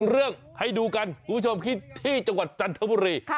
เรื่องให้ดูกันคุณผู้ชมที่จังหวัดจันทบุรี